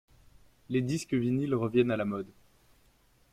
Les disques vynils reviennent à la mode.